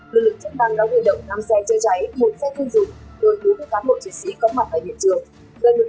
lực lượng chất băng đã huy động năm xe chơi cháy một xe chơi dụng đối thủ với cán bộ chiến sĩ có mặt tại biệt trường